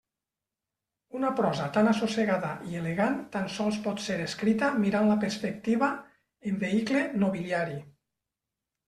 Una prosa tan assossegada i elegant tan sols pot ser escrita mirant la perspectiva en vehicle nobiliari.